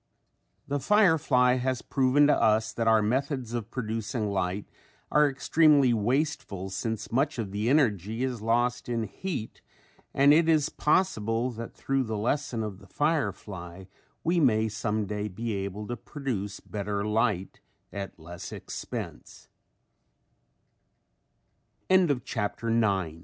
The firefly has proven to us that our methods of producing light are extremely wasteful since much of the energy is lost in heat and it is possible that through the lesson of the firefly we may some day be able to produce be